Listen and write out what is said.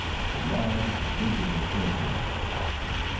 The "largest visible influence."